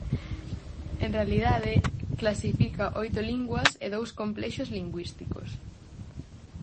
En realidade, clasifica oito linguas e dous complexos lingüísticos.